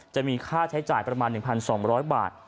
จะมีค่าใช้จ่ายประมาณ๑๒๐๐บาท